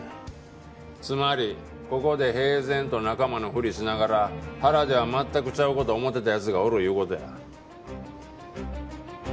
つまりここで平然と仲間のふりしながら腹では全くちゃう事を思ってた奴がおるいう事や。